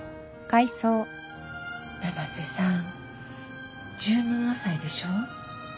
七瀬さん１７歳でしょ？